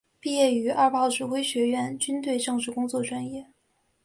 毕业于二炮指挥学院军队政治工作专业。